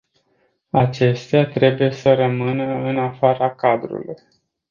Acestea trebuie să rămână în afara cadrului.